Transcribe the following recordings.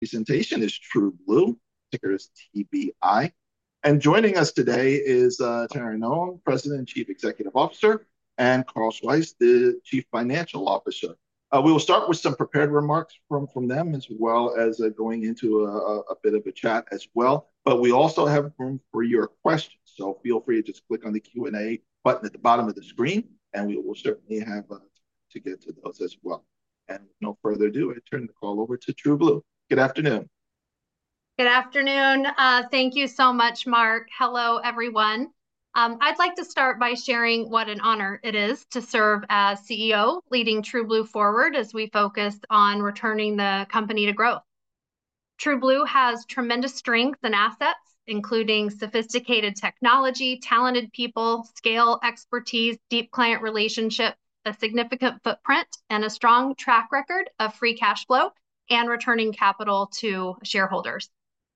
presentation is TrueBlue, ticker is TBI. Joining us today is Taryn Owen, President and Chief Executive Officer, and Carl Schweihs, the Chief Financial Officer. We will start with some prepared remarks from them, as well as going into a bit of a chat as well. We also have room for your questions, so feel free to just click on the Q&A button at the bottom of the screen, and we will certainly have to get to those as well. With no further ado, I turn the call over to TrueBlue. Good afternoon. Good afternoon. Thank you so much, Mark. Hello, everyone. I'd like to start by sharing what an honor it is to serve as CEO, leading TrueBlue forward as we focus on returning the company to growth. TrueBlue has tremendous strength and assets, including sophisticated technology, talented people, scale, expertise, deep client relationships, a significant footprint, and a strong track record of free cash flow, and returning capital to shareholders.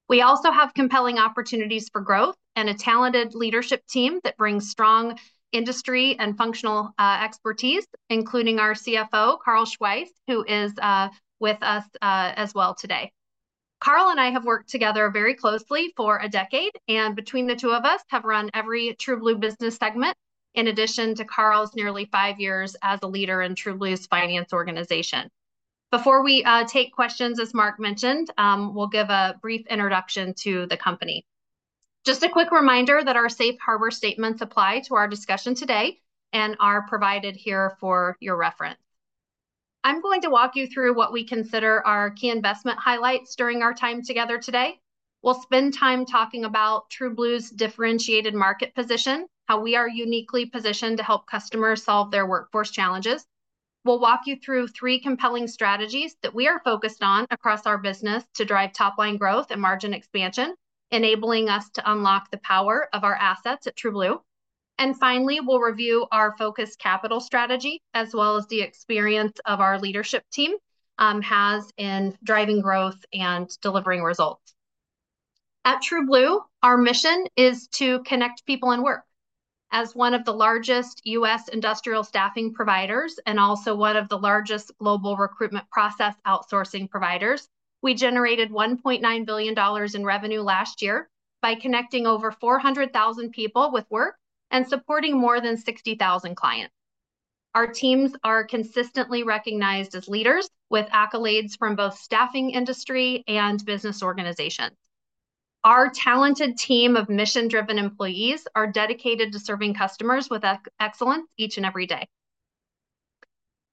We also have compelling opportunities for growth and a talented leadership team that brings strong industry and functional expertise, including our CFO, Carl Schweihs, who is with us as well today. Carl and I have worked together very closely for a decade, and between the two of us, have run every TrueBlue business segment, in addition to Carl's nearly five years as a leader in TrueBlue's finance organization. Before we take questions, as Mark mentioned, we'll give a brief introduction to the company. Just a quick reminder that our safe harbor statements apply to our discussion today and are provided here for your reference. I'm going to walk you through what we consider our key investment highlights during our time together today. We'll spend time talking about TrueBlue's differentiated market position, how we are uniquely positioned to help customers solve their workforce challenges. We'll walk you through three compelling strategies that we are focused on across our business to drive top line growth and margin expansion, enabling us to unlock the power of our assets at TrueBlue. And finally, we'll review our focused capital strategy, as well as the experience of our leadership team has in driving growth and delivering results. At TrueBlue, our mission is to connect people and work. As one of the largest U.S. industrial staffing providers, and also one of the largest global recruitment process outsourcing providers, we generated $1.9 billion in revenue last year by connecting over 400,000 people with work and supporting more than 60,000 clients. Our teams are consistently recognized as leaders, with accolades from both staffing industry and business organizations. Our talented team of mission-driven employees are dedicated to serving customers with excellence each and every day.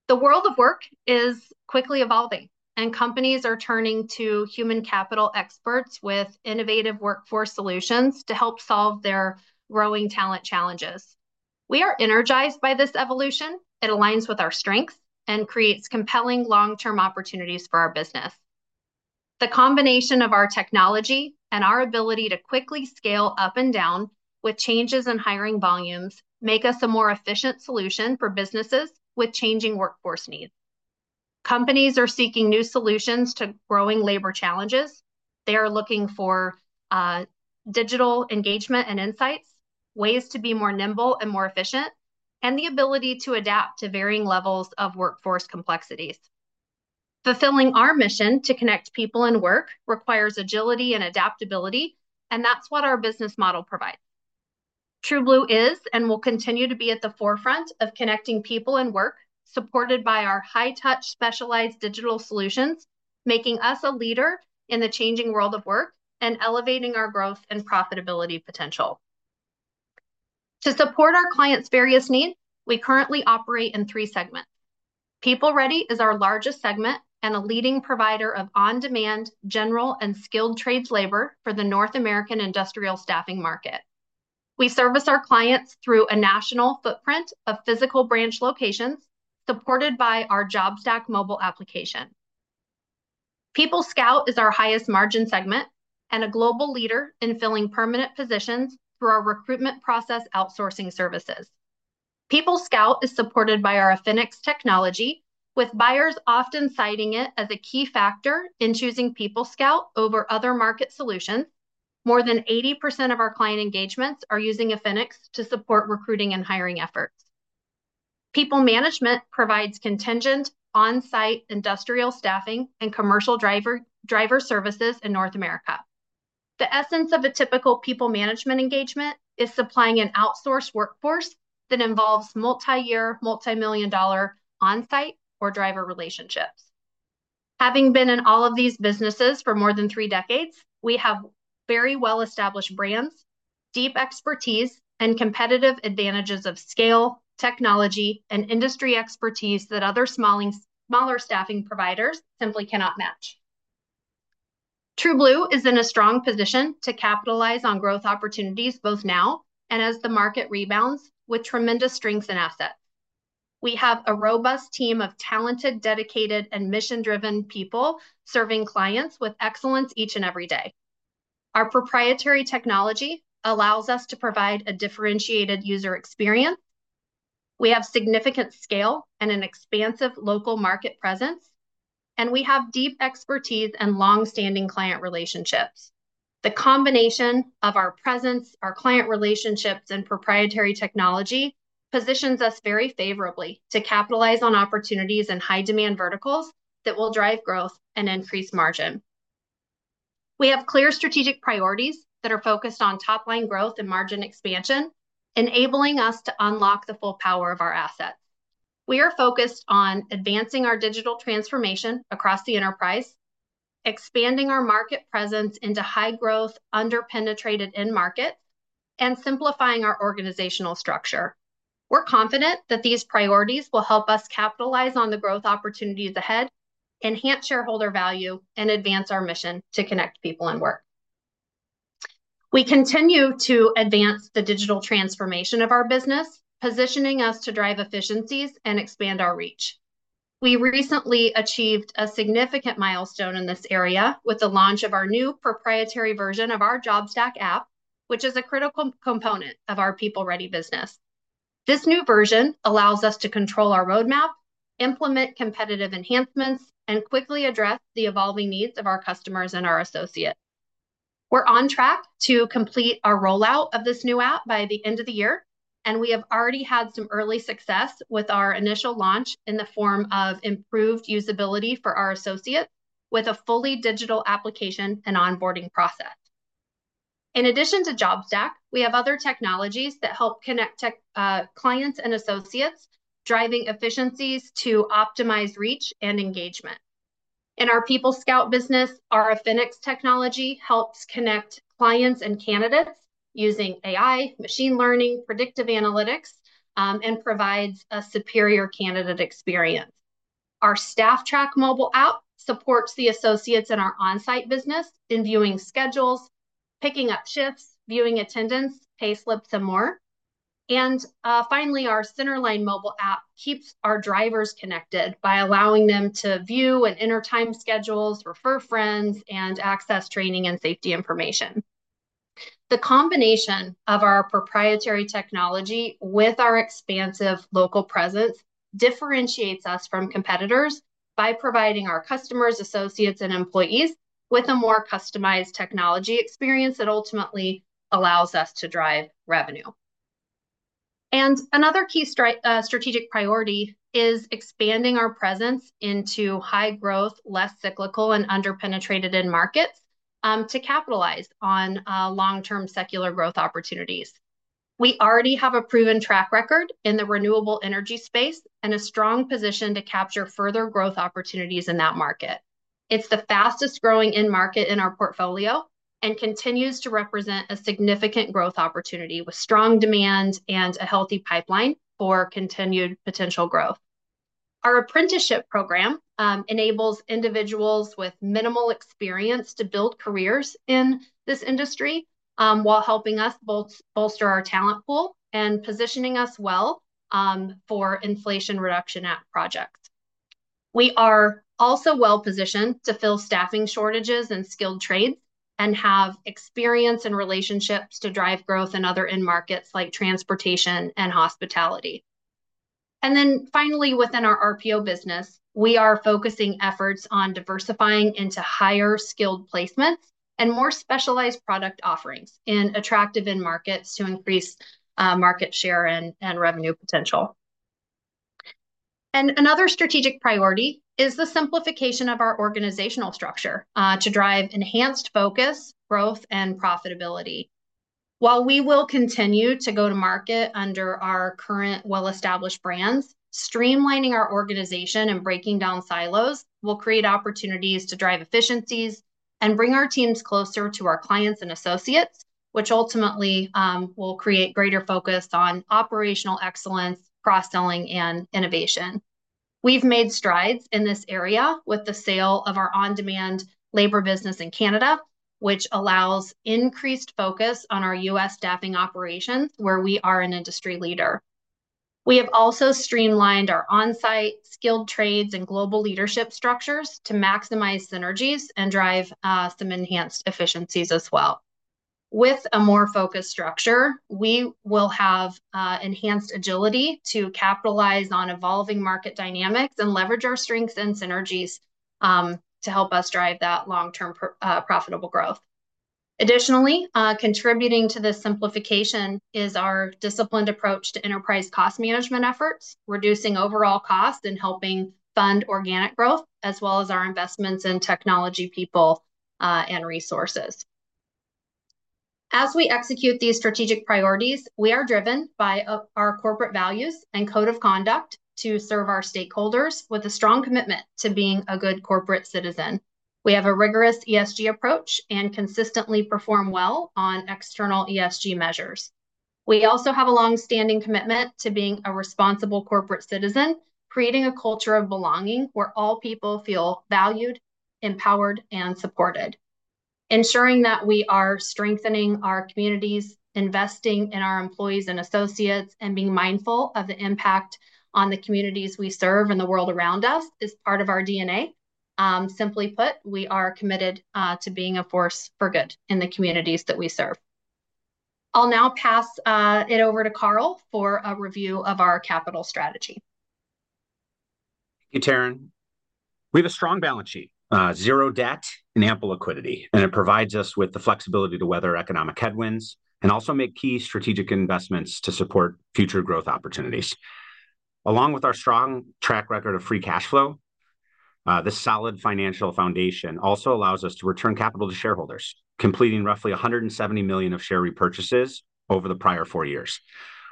The world of work is quickly evolving, and companies are turning to human capital experts with innovative workforce solutions to help solve their growing talent challenges. We are energized by this evolution. It aligns with our strengths and creates compelling long-term opportunities for our business. The combination of our technology and our ability to quickly scale up and down with changes in hiring volumes make us a more efficient solution for businesses with changing workforce needs. Companies are seeking new solutions to growing labor challenges. They are looking for digital engagement and insights, ways to be more nimble and more efficient, and the ability to adapt to varying levels of workforce complexities. Fulfilling our mission to connect people and work requires agility and adaptability, and that's what our business model provides. TrueBlue is and will continue to be at the forefront of connecting people and work, supported by our high-touch, specialized digital solutions, making us a leader in the changing world of work and elevating our growth and profitability potential. To support our clients' various needs, we currently operate in three segments. PeopleReady is our largest segment and a leading provider of on-demand, general, and skilled trades labor for the North American industrial staffing market. We service our clients through a national footprint of physical branch locations, supported by our JobStack mobile application. PeopleScout is our highest margin segment and a global leader in filling permanent positions through our recruitment process outsourcing services. PeopleScout is supported by our Affinix technology, with buyers often citing it as a key factor in choosing PeopleScout over other market solutions. More than 80% of our client engagements are using Affinix to support recruiting and hiring efforts. PeopleManagement provides contingent, on-site industrial staffing and commercial driver services in North America. The essence of a typical PeopleManagement engagement is supplying an outsourced workforce that involves multi-year, multimillion-dollar on-site or driver relationships. Having been in all of these businesses for more than three decades, we have very well-established brands, deep expertise, and competitive advantages of scale, technology, and industry expertise that other smaller staffing providers simply cannot match. TrueBlue is in a strong position to capitalize on growth opportunities both now and as the market rebounds, with tremendous strengths and assets. We have a robust team of talented, dedicated, and mission-driven people, serving clients with excellence each and every day. Our proprietary technology allows us to provide a differentiated user experience. We have significant scale and an expansive local market presence, and we have deep expertise and long-standing client relationships.... The combination of our presence, our client relationships, and proprietary technology positions us very favorably to capitalize on opportunities in high-demand verticals that will drive growth and increase margin. We have clear strategic priorities that are focused on top line growth and margin expansion, enabling us to unlock the full power of our assets. We are focused on advancing our digital transformation across the enterprise, expanding our market presence into high growth, under-penetrated end markets, and simplifying our organizational structure. We're confident that these priorities will help us capitalize on the growth opportunities ahead, enhance shareholder value, and advance our mission to connect people and work. We continue to advance the digital transformation of our business, positioning us to drive efficiencies and expand our reach. We recently achieved a significant milestone in this area with the launch of our new proprietary version of our JobStack app, which is a critical component of our PeopleReady business. This new version allows us to control our roadmap, implement competitive enhancements, and quickly address the evolving needs of our customers and our associates. We're on track to complete our rollout of this new app by the end of the year, and we have already had some early success with our initial launch in the form of improved usability for our associates, with a fully digital application and onboarding process. In addition to JobStack, we have other technologies that help connect the clients and associates, driving efficiencies to optimize reach and engagement. In our PeopleScout business, our Affinix technology helps connect clients and candidates using AI, machine learning, predictive analytics, and provides a superior candidate experience. Our Stafftrack mobile app supports the associates in our on-site business in viewing schedules, picking up shifts, viewing attendance, payslips, and more. Finally, our Centerline mobile app keeps our drivers connected by allowing them to view and enter time schedules, refer friends, and access training and safety information. The combination of our proprietary technology with our expansive local presence differentiates us from competitors by providing our customers, associates, and employees with a more customized technology experience that ultimately allows us to drive revenue. Another key strategic priority is expanding our presence into high growth, less cyclical, and under-penetrated end markets to capitalize on long-term secular growth opportunities. We already have a proven track record in the renewable energy space and a strong position to capture further growth opportunities in that market. It's the fastest growing end market in our portfolio and continues to represent a significant growth opportunity, with strong demand and a healthy pipeline for continued potential growth. Our apprenticeship program enables individuals with minimal experience to build careers in this industry, while helping us bolster our talent pool and positioning us well for Inflation Reduction Act projects. We are also well-positioned to fill staffing shortages in skilled trades and have experience and relationships to drive growth in other end markets, like transportation and hospitality. And then, finally, within our RPO business, we are focusing efforts on diversifying into higher-skilled placements and more specialized product offerings in attractive end markets to increase market share and revenue potential. And another strategic priority is the simplification of our organizational structure to drive enhanced focus, growth, and profitability. While we will continue to go to market under our current well-established brands, streamlining our organization and breaking down silos will create opportunities to drive efficiencies and bring our teams closer to our clients and associates, which ultimately will create greater focus on operational excellence, cross-selling, and innovation. We've made strides in this area with the sale of our on-demand labor business in Canada, which allows increased focus on our U.S. staffing operations, where we are an industry leader. We have also streamlined our on-site skilled trades and global leadership structures to maximize synergies and drive some enhanced efficiencies as well. With a more focused structure, we will have enhanced agility to capitalize on evolving market dynamics and leverage our strengths and synergies to help us drive that long-term profitable growth. Additionally, contributing to this simplification is our disciplined approach to enterprise cost management efforts, reducing overall cost and helping fund organic growth, as well as our investments in technology people, and resources. As we execute these strategic priorities, we are driven by our corporate values and code of conduct to serve our stakeholders with a strong commitment to being a good corporate citizen. We have a rigorous ESG approach and consistently perform well on external ESG measures. We also have a long-standing commitment to being a responsible corporate citizen, creating a culture of belonging, where all people feel valued, empowered, and supported. Ensuring that we are strengthening our communities, investing in our employees and associates, and being mindful of the impact on the communities we serve and the world around us is part of our DNA. Simply put, we are committed to being a force for good in the communities that we serve. I'll now pass it over to Carl for a review of our capital strategy.... Thank you, Taryn. We have a strong balance sheet, zero debt, and ample liquidity, and it provides us with the flexibility to weather economic headwinds and also make key strategic investments to support future growth opportunities. Along with our strong track record of free cash flow, this solid financial foundation also allows us to return capital to shareholders, completing roughly $170 million of share repurchases over the prior four years.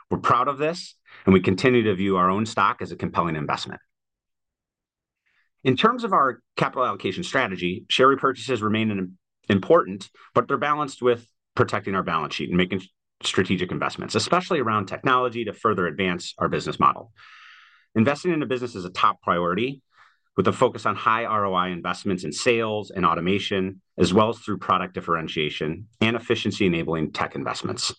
We're proud of this, and we continue to view our own stock as a compelling investment. In terms of our capital allocation strategy, share repurchases remain an important, but they're balanced with protecting our balance sheet and making strategic investments, especially around technology, to further advance our business model. Investing in the business is a top priority, with a focus on high ROI investments in sales and automation, as well as through product differentiation and efficiency-enabling tech investments.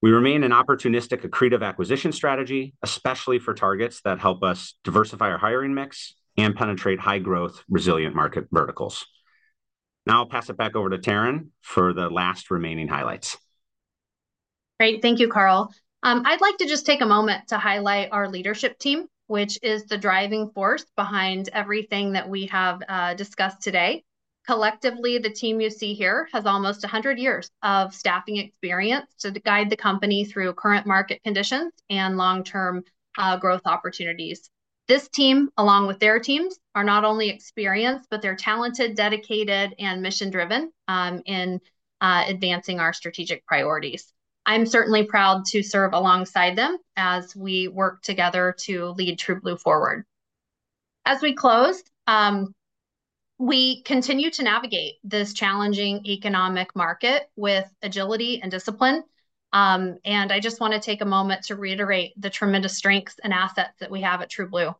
We remain an opportunistic, accretive acquisition strategy, especially for targets that help us diversify our hiring mix and penetrate high-growth, resilient market verticals. Now I'll pass it back over to Taryn for the last remaining highlights. Great. Thank you, Carl. I'd like to just take a moment to highlight our leadership team, which is the driving force behind everything that we have discussed today. Collectively, the team you see here has almost a hundred years of staffing experience to guide the company through current market conditions and long-term growth opportunities. This team, along with their teams, are not only experienced, but they're talented, dedicated, and mission-driven in advancing our strategic priorities. I'm certainly proud to serve alongside them as we work together to lead TrueBlue forward. As we close, we continue to navigate this challenging economic market with agility and discipline. And I just wanna take a moment to reiterate the tremendous strengths and assets that we have at TrueBlue.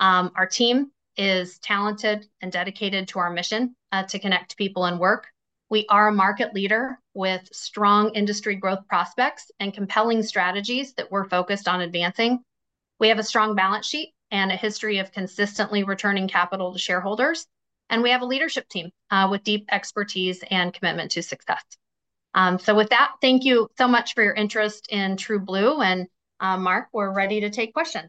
Our team is talented and dedicated to our mission to connect people and work. We are a market leader with strong industry growth prospects and compelling strategies that we're focused on advancing. We have a strong balance sheet and a history of consistently returning capital to shareholders, and we have a leadership team with deep expertise and commitment to success. So with that, thank you so much for your interest in TrueBlue, and Mark, we're ready to take questions.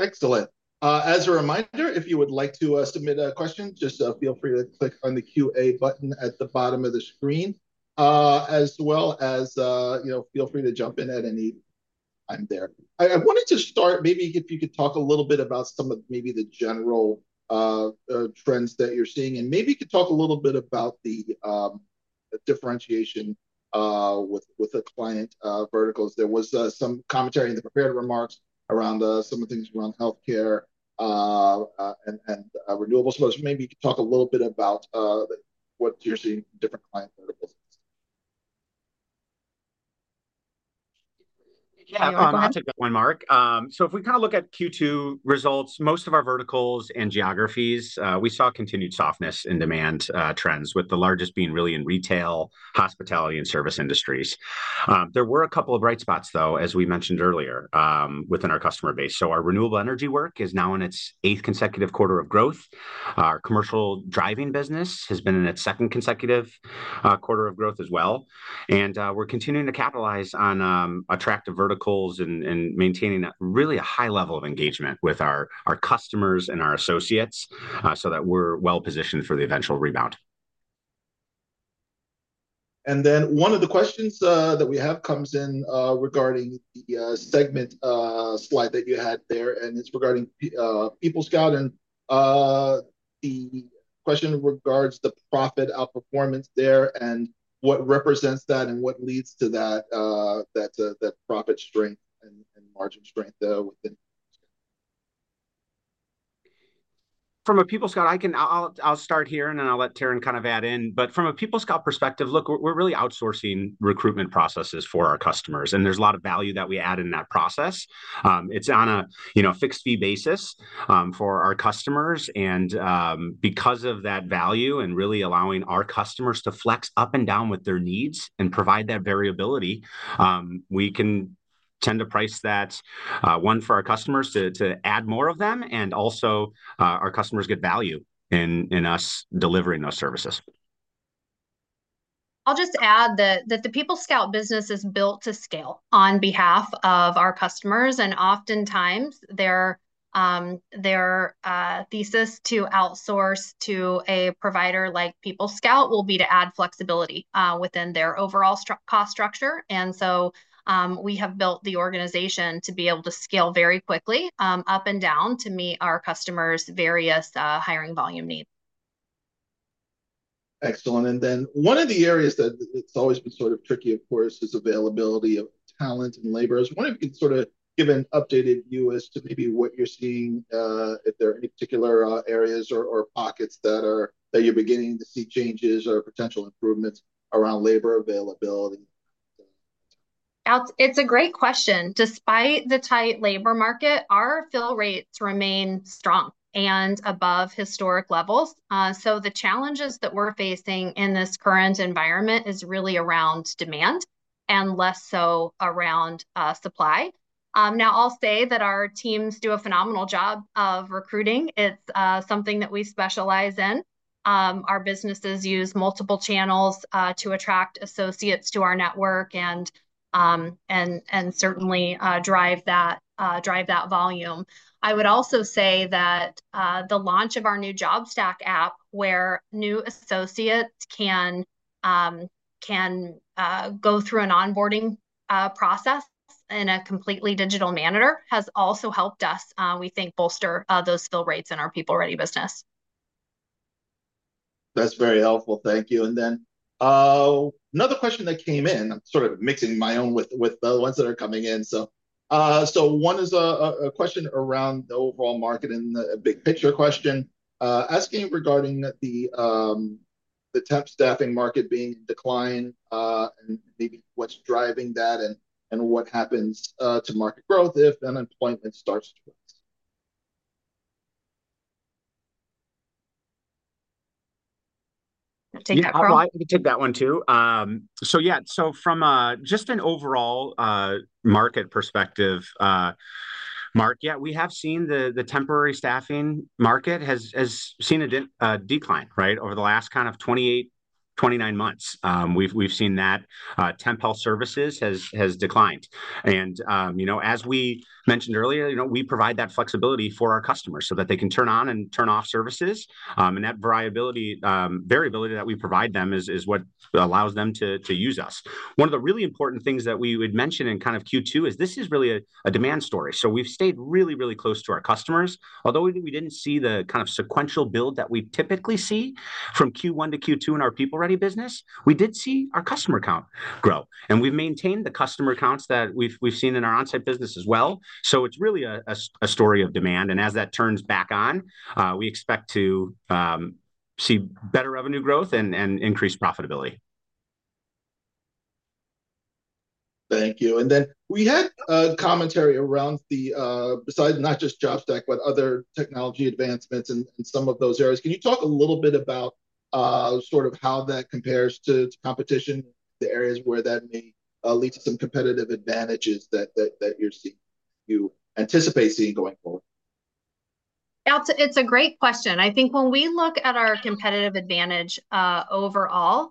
Excellent. As a reminder, if you would like to submit a question, just feel free to click on the QA button at the bottom of the screen. As well as, you know, feel free to jump in at any time there. I wanted to start, maybe if you could talk a little bit about some of maybe the general trends that you're seeing, and maybe you could talk a little bit about the differentiation with the client verticals. There was some commentary in the prepared remarks around some of the things around healthcare and renewable solutions. Maybe you could talk a little bit about what you're seeing in different client verticals. Yeah, Carl- Yeah, I'll take that one, Mark. So if we kinda look at Q2 results, most of our verticals and geographies, we saw continued softness in demand trends, with the largest being really in retail, hospitality, and service industries. There were a couple of bright spots, though, as we mentioned earlier, within our customer base. So our renewable energy work is now in its eighth consecutive quarter of growth. Our commercial driving business has been in its second consecutive quarter of growth as well. And we're continuing to capitalize on attractive verticals and maintaining a really high level of engagement with our customers and our associates, so that we're well-positioned for the eventual rebound. And then one of the questions that we have comes in regarding the segment slide that you had there, and it's regarding PeopleScout. And the question regards the profit outperformance there, and what represents that, and what leads to that profit strength and margin strength within? From a PeopleScout, I'll start here, and then I'll let Taryn kind of add in. But from a PeopleScout perspective, look, we're really outsourcing recruitment processes for our customers, and there's a lot of value that we add in that process. It's on a, you know, fixed-fee basis, for our customers. And, because of that value and really allowing our customers to flex up and down with their needs and provide that variability, we can tend to price that, one for our customers to add more of them, and also, our customers get value in us delivering those services. I'll just add that the PeopleScout business is built to scale on behalf of our customers, and oftentimes their thesis to outsource to a provider like PeopleScout will be to add flexibility within their overall cost structure. And so, we have built the organization to be able to scale very quickly up and down to meet our customers' various hiring volume needs. Excellent. And then one of the areas that it's always been sort of tricky, of course, is availability of talent and labor. I was wondering if you could sort of give an updated view as to maybe what you're seeing, if there are any particular areas or pockets that you're beginning to see changes or potential improvements around labor availability? It's a great question. Despite the tight labor market, our fill rates remain strong and above historic levels. So the challenges that we're facing in this current environment is really around demand and less so around supply. Now I'll say that our teams do a phenomenal job of recruiting. It's something that we specialize in. Our businesses use multiple channels to attract associates to our network and certainly drive that volume. I would also say that the launch of our new JobStack app, where new associates can go through an onboarding process in a completely digital manner, has also helped us, we think, bolster those fill rates in our PeopleReady business. That's very helpful, thank you. And then, another question that came in, sort of mixing my own with the ones that are coming in, so one is a question around the overall market and a big picture question, asking regarding the temp staffing market being in decline, and maybe what's driving that and what happens to market growth if unemployment starts to rise? Take that, Carl? Yeah, I'd like to take that one, too. So yeah, so from just an overall market perspective, Mark, yeah, we have seen the temporary staffing market has seen a decline, right? Over the last kind of 28, 29 months. We've seen that temp help services has declined, and you know, as we mentioned earlier, you know, we provide that flexibility for our customers so that they can turn on and turn off services, and that variability that we provide them is what allows them to use us. One of the really important things that we would mention in kind of Q2 is this is really a demand story. So we've stayed really, really close to our customers. Although we didn't see the kind of sequential build that we typically see from Q1-Q2 in our PeopleReady business, we did see our customer count grow, and we've maintained the customer counts that we've seen in our onsite business as well. So it's really a story of demand, and as that turns back on, we expect to see better revenue growth and increased profitability. Thank you. And then we had commentary around, besides not just JobStack, but other technology advancements in some of those areas. Can you talk a little bit about sort of how that compares to competition, the areas where that may lead to some competitive advantages that you anticipate seeing going forward? That's a great question. I think when we look at our competitive advantage, overall,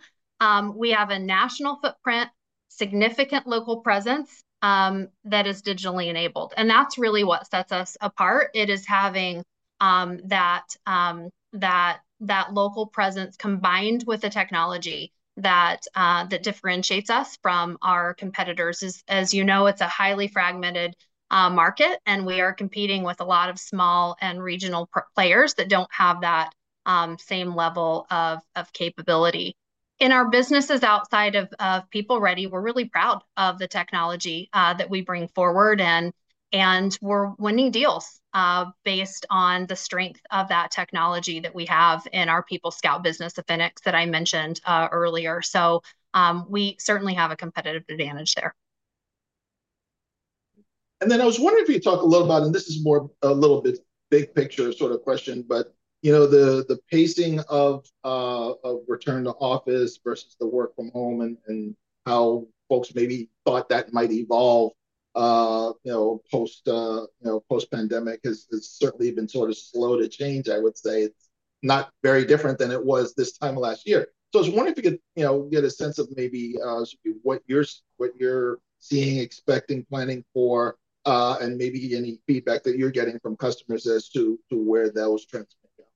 we have a national footprint, significant local presence, that is digitally enabled, and that's really what sets us apart. It is having that local presence combined with the technology that differentiates us from our competitors. As you know, it's a highly fragmented market, and we are competing with a lot of small and regional players that don't have that same level of capability. In our businesses outside of PeopleReady, we're really proud of the technology that we bring forward, and we're winning deals based on the strength of that technology that we have in our PeopleScout business, Affinix, that I mentioned earlier. So, we certainly have a competitive advantage there. I was wondering if you could talk a little about... This is more a little bit big picture sort of question, but, you know, the pacing of return to office versus the work from home and how folks maybe thought that might evolve, you know, post-pandemic, has certainly been sort of slow to change, I would say. It's not very different than it was this time last year. I was wondering if you could, you know, get a sense of maybe, sort of what you're seeing, expecting, planning for, and maybe any feedback that you're getting from customers as to where those trends may go.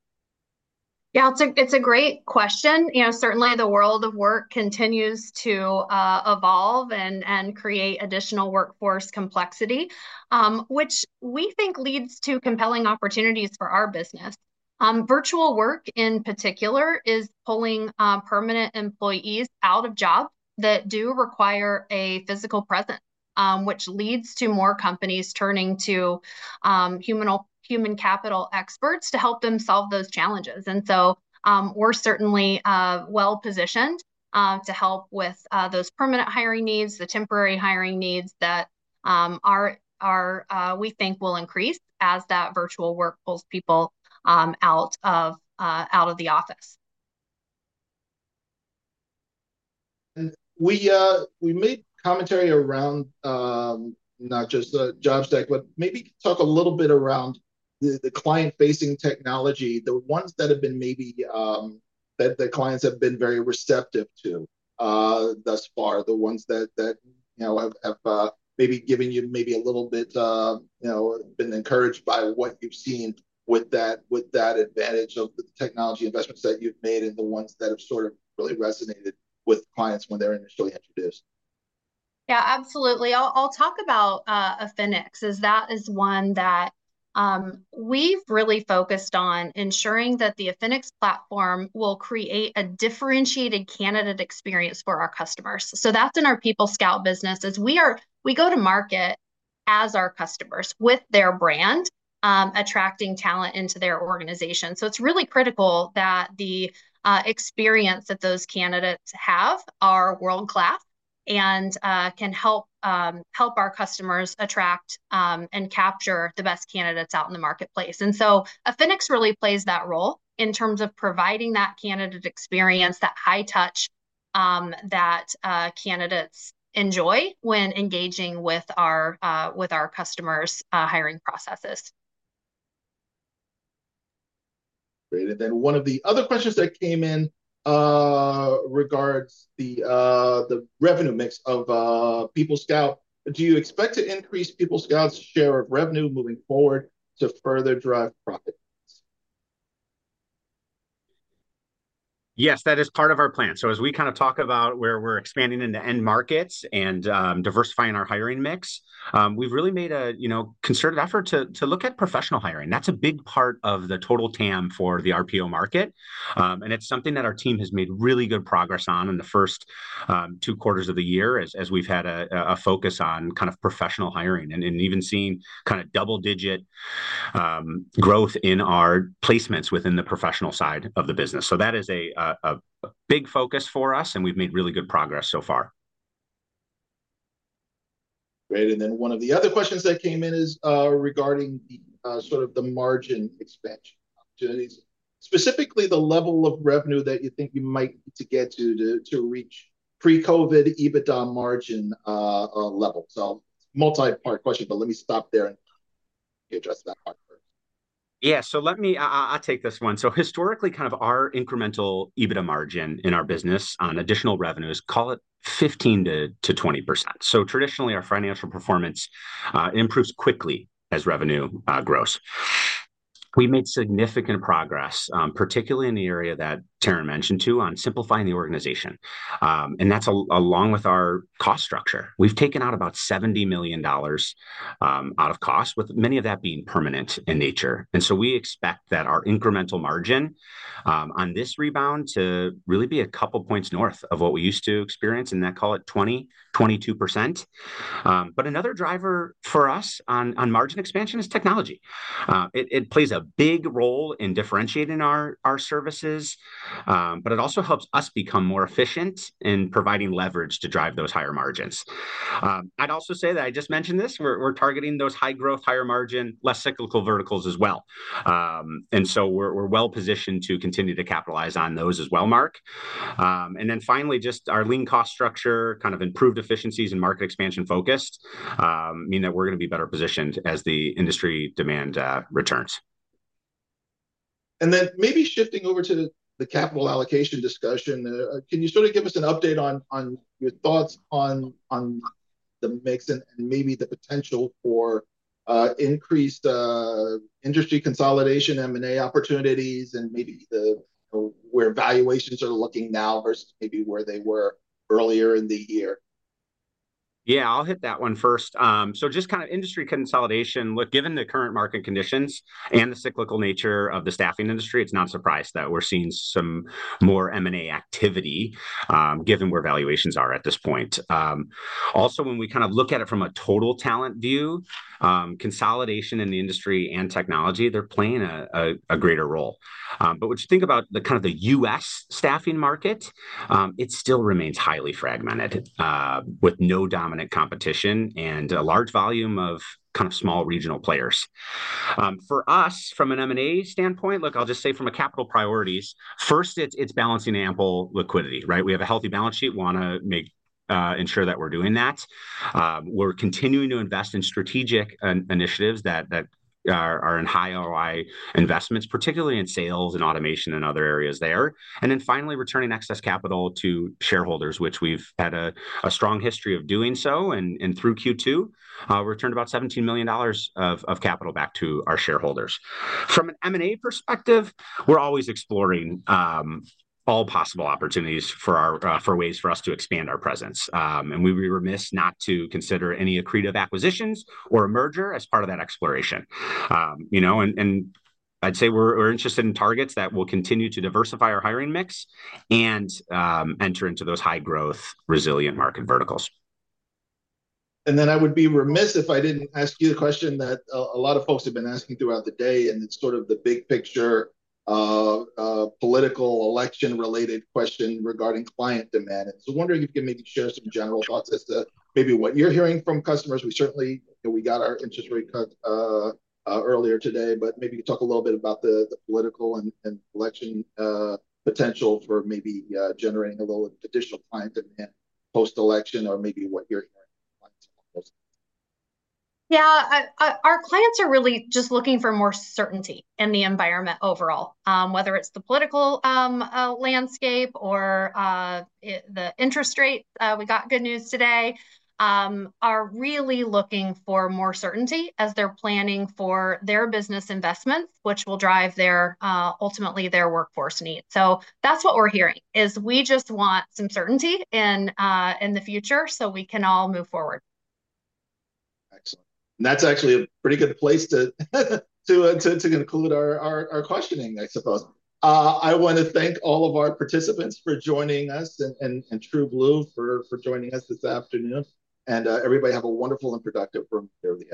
Yeah, it's a great question. You know, certainly the world of work continues to evolve and create additional workforce complexity, which we think leads to compelling opportunities for our business. Virtual work in particular is pulling permanent employees out of jobs that do require a physical presence, which leads to more companies turning to human capital experts to help them solve those challenges. And so, we're certainly well positioned to help with those permanent hiring needs, the temporary hiring needs that we think will increase as that virtual work pulls people out of the office. And we made commentary around not just the JobStack, but maybe talk a little bit around the client-facing technology, the ones that have been maybe that the clients have been very receptive to thus far, the ones that you know have maybe given you maybe a little bit you know been encouraged by what you've seen with that, with that advantage of the technology investments that you've made and the ones that have sort of really resonated with clients when they're initially introduced. Yeah, absolutely. I'll talk about Affinix, as that is one that we've really focused on ensuring that the Affinix platform will create a differentiated candidate experience for our customers. So that's in our PeopleScout business, as we go to market as our customers, with their brand, attracting talent into their organization. So it's really critical that the experience that those candidates have are world-class and can help our customers attract and capture the best candidates out in the marketplace. And so Affinix really plays that role in terms of providing that candidate experience that candidates enjoy when engaging with our customers' hiring processes. Great. And then one of the other questions that came in regards the revenue mix of PeopleScout. Do you expect to increase PeopleScout's share of revenue moving forward to further drive profits? Yes, that is part of our plan, so as we kind of talk about where we're expanding into end markets and diversifying our hiring mix, we've really made a you know concerted effort to look at professional hiring. That's a big part of the total TAM for the RPO market, and it's something that our team has made really good progress on in the first two quarters of the year, as we've had a focus on kind of professional hiring, and even seeing kind of double-digit growth in our placements within the professional side of the business, so that is a big focus for us, and we've made really good progress so far. Great. And then one of the other questions that came in is, regarding the, sort of the margin expansion opportunities, specifically the level of revenue that you think you might need to get to, to reach pre-COVID EBITDA margin, level. So multi-part question, but let me stop there, and you address that part first. Yeah, so let me. I'll take this one, so historically, kind of our incremental EBITDA margin in our business on additional revenues, call it 15%-20%. Traditionally, our financial performance improves quickly as revenue grows. We've made significant progress, particularly in the area that Taryn mentioned, too, on simplifying the organization, and that's along with our cost structure. We've taken out about $70 million out of cost, with many of that being permanent in nature, and so we expect that our incremental margin on this rebound to really be a couple points north of what we used to experience, and then call it 20%-22%, but another driver for us on margin expansion is technology. It plays a big role in differentiating our services, but it also helps us become more efficient in providing leverage to drive those higher margins. I'd also say that I just mentioned this, we're targeting those high growth, higher margin, less cyclical verticals as well, and so we're well-positioned to continue to capitalize on those as well, Mark, and then finally, just our lean cost structure, kind of improved efficiencies and market expansion-focused mean that we're gonna be better positioned as the industry demand returns. And then maybe shifting over to the capital allocation discussion, can you sort of give us an update on your thoughts on the mix and maybe the potential for increased industry consolidation, M&A opportunities, and maybe where valuations are looking now versus maybe where they were earlier in the year? Yeah, I'll hit that one first. So just kind of industry consolidation, look, given the current market conditions and the cyclical nature of the staffing industry, it's not a surprise that we're seeing some more M&A activity, given where valuations are at this point. Also, when we kind of look at it from a total talent view, consolidation in the industry and technology, they're playing a greater role. But when you think about the kind of the U.S. staffing market, it still remains highly fragmented, with no dominant competition and a large volume of kind of small regional players. For us, from an M&A standpoint, look, I'll just say from a capital priorities, first, it's balancing ample liquidity, right? We have a healthy balance sheet, we wanna make sure that we're doing that. We're continuing to invest in strategic initiatives that are in high ROI investments, particularly in sales and automation and other areas there. And then finally, returning excess capital to shareholders, which we've had a strong history of doing so. And through Q2, returned about $17 million of capital back to our shareholders. From an M&A perspective, we're always exploring all possible opportunities for ways for us to expand our presence. You know, and I'd say we're interested in targets that will continue to diversify our hiring mix and enter into those high-growth, resilient market verticals. And then I would be remiss if I didn't ask you the question that a lot of folks have been asking throughout the day, and it's sort of the big picture political election-related question regarding client demand, and so wondering if you can maybe share some general thoughts as to maybe what you're hearing from customers. We got our interest rate cut earlier today, but maybe you could talk a little bit about the political and election potential for maybe generating a little additional client demand post-election, or maybe what you're hearing from clients. Yeah, our clients are really just looking for more certainty in the environment overall. Whether it's the political landscape or the interest rate, we got good news today, are really looking for more certainty as they're planning for their business investments, which will drive their ultimately their workforce needs. So that's what we're hearing, is, "We just want some certainty in in the future so we can all move forward. Excellent. And that's actually a pretty good place to conclude our questioning, I suppose. I wanna thank all of our participants for joining us, and TrueBlue for joining us this afternoon. And, everybody, have a wonderful and productive rest of the day.